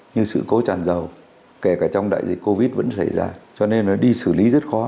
như sự cố tràn dầu kể cả trong đại dịch covid vẫn xảy ra cho nên đi xử lý rất khó